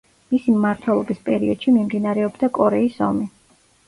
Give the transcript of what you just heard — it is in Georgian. მისი მმართველობის პრეიოდში მიმდინარეობდა კორეის ომი.